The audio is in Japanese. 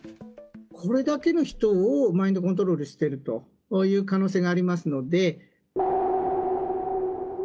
これだけの人をマインドコントロールしてるという可能性がありますので。